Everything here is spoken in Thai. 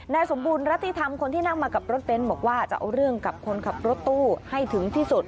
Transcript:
นายสมบูรณรัติธรรมคนที่นั่งมากับรถเบนท์บอกว่าจะเอาเรื่องกับคนขับรถตู้ให้ถึงที่สุด